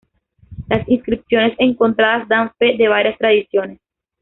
Las inscripciones encontradas dan fe de varias tradiciones.